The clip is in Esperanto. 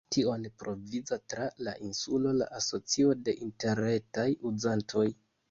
Tion provizas tra la insulo la Asocio de Interretaj Uzantoj.